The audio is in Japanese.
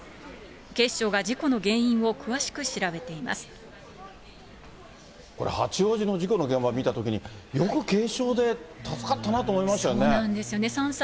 警視庁が事故の原因を詳しく調べこれ、八王子の事故の現場見たときに、よく軽傷で助かったなと思いましたよね。